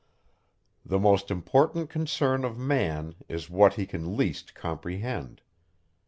The most important concern of man is what he can least comprehend.